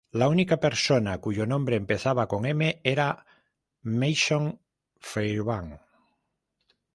La única persona cuyo nombre empezaba con M era Mason Fairbanks.